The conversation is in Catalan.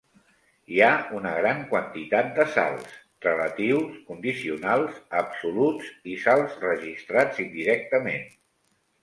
Hi ha una gran quantitat de salts: relatius, condicionals, absoluts i salts registrats indirectament.